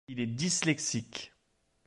Il est dyslexique.